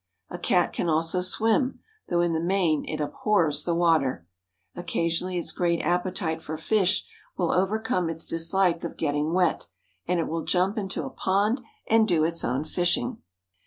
A Cat can also swim, though in the main it abhors the water. Occasionally its great appetite for fish will overcome its dislike of getting wet, and it will jump into a pond and do its own fishing.